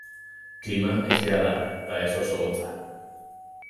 Klima hezea da eta ez oso hotza.